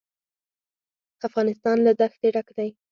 افغانستان له دښتې ډک دی.